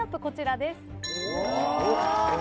こちらです。